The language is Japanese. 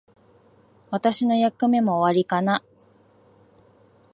私の役目も終わりかな。